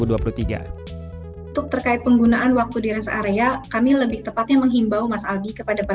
untuk terkait penggunaan waktu di rest area kami lebih tepatnya menghimbau mas aldi kepada para